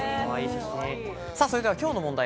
それではきょうの問題